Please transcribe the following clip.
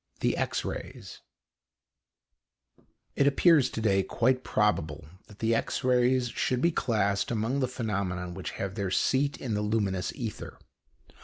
THE X RAYS It appears to day quite probable that the X rays should be classed among the phenomena which have their seat in the luminous ether.